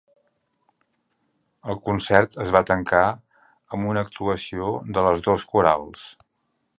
El concert es va tancar amb una actuació de les dos corals.